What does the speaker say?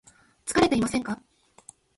疲れていませんか